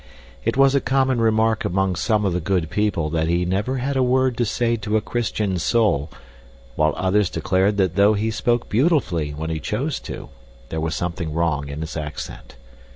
It was a common remark among some of the good people that he never had a word to say to a Christian soul, while others declared that though he spoke beautifully when he chose to, there was something wrong in his accent.